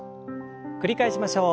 繰り返しましょう。